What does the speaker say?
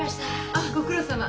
あっご苦労さま。